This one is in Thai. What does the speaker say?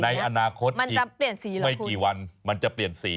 ในอนาคตอีกไม่กี่วันมันจะเปลี่ยนสี